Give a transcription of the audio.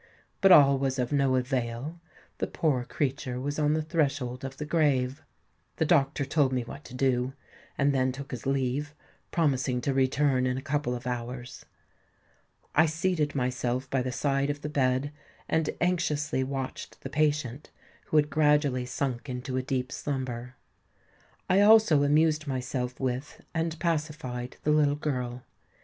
But all was of no avail; the poor creature was on the threshold of the grave. The doctor told me what to do, and then took his leave, promising to return in a couple of hours. I seated myself by the side of the bed, and anxiously watched the patient, who had gradually sunk into a deep slumber. I also amused myself with, and pacified the little girl.